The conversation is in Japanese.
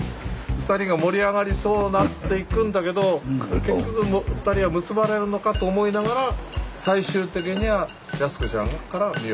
２人が盛り上がりそうになっていくんだけど結局２人は結ばれるのかと思いながら最終的には靖子ちゃんから身を引いてく。